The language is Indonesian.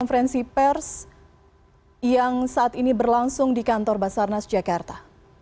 konferensi pers yang saat ini berlangsung di kantor basarnas jakarta